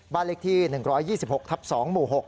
บ้านเลขที่๑๒๖ทับ๒หมู่๖